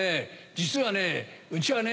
実はうちはね